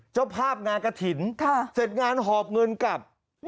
เจ้าภาพงานกระถิ่นเสร็จงานหอบเงินกับ